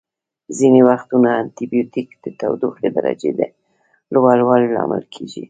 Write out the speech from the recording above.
ځینې وختونه انټي بیوټیک د تودوخې درجې د لوړوالي لامل کیږي.